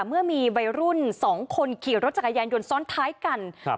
เมื่อมีวัยรุ่นสองคนขี่รถจักรยานยนต์ซ้อนท้ายกันครับ